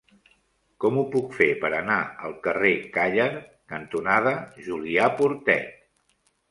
Com ho puc fer per anar al carrer Càller cantonada Julià Portet?